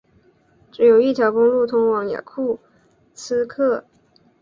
只有一条公路通往雅库茨克。